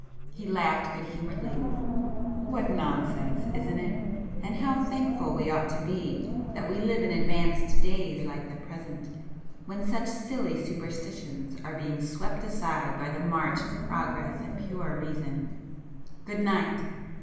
He laughed good humouredly. "What nonsense, isn't it!—and how thankful we ought to be that we live in advanced days like the present, when such silly superstitions are being swept aside by the march of progress and pure Reason! Good night!